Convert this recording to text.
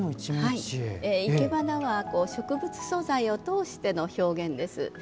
いけばなは植物素材を通しての表現です。